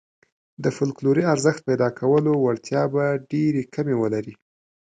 د فوکلوري ارزښت پيدا کولو وړتیا به ډېرې کمې ولري.